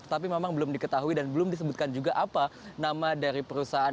tetapi memang belum diketahui dan belum disebutkan juga apa nama dari perusahaan